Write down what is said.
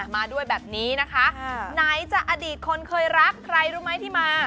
มาด้วยแบบนี้นะคะไหนจะอดีตคนเคยรักใครรู้ไหมที่มา